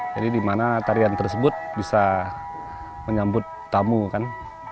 jadi di mana tarian tersebut bisa menyambut tamu kan